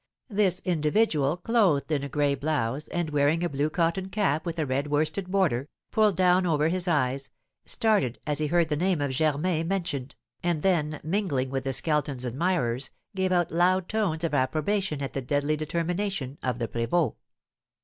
This individual, clothed in a gray blouse, and wearing a blue cotton cap with a red worsted border, pulled down over his eyes, started as he heard the name of Germain mentioned, and then, mingling with the Skeleton's admirers, gave out loud tones of approbation at the deadly determination of the prévôt.